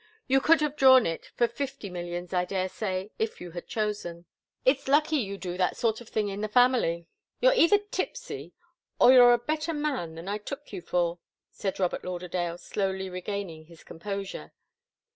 "You could have drawn it for fifty millions, I daresay, if you had chosen. It's lucky you do that sort of thing in the family." "You're either tipsy or you're a better man than I took you for," said Robert Lauderdale, slowly regaining his composure.